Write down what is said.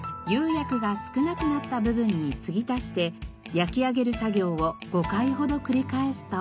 釉薬が少なくなった部分に継ぎ足して焼き上げる作業を５回ほど繰り返すと。